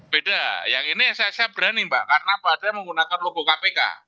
beda yang ini saya berani mbak karena apa ada menggunakan logo kpk